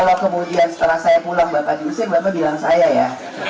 kalau kemudian setelah saya pulang bapak diusir bapak bilang saya ya